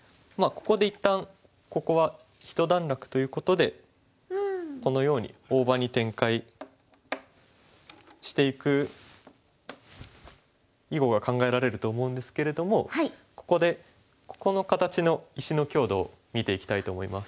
ここで一旦ここは一段落ということでこのように大場に展開していく囲碁が考えられると思うんですけれどもここでここの形の石の強度を見ていきたいと思います。